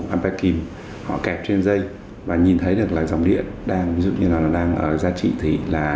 ampere kim họ kẹp trên dây và nhìn thấy được là dòng điện đang dụ như là nó đang ở giá trị thì là